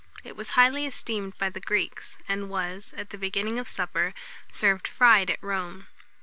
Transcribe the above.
It was highly esteemed by the Greeks, and was, at the beginning of supper, served fried at Rome.